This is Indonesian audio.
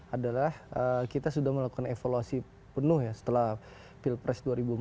adalah kita sudah melakukan evaluasi penuh ya setelah pilpres dua ribu empat belas